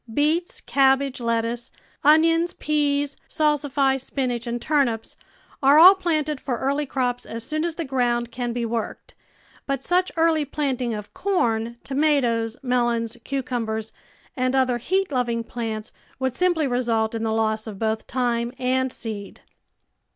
Beets, cabbage, lettuce, onions, peas, salsify, spinach, and turnips are all planted for early crops as soon as the ground can be worked, but such early planting of corn, toma toes, melons, cucumbers, and other heat loving plants would simply result in the loss of both time and seed.